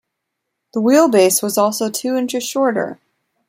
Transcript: The wheelbase was also two inches shorter.